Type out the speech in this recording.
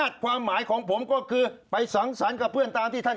อ๋อ๘เดือน